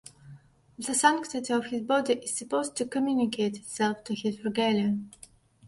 The sanctity of his body is supposed to communicate itself to his regalia.